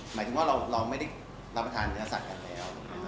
หมายถึงว่าเราไม่ได้รับประทานเนื้อสัตว์กันแล้ว